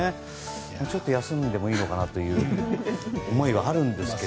ちょっと休んでもいいのかなという思いはあるんですけど。